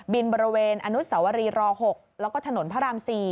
บริเวณอนุสวรีร๖แล้วก็ถนนพระราม๔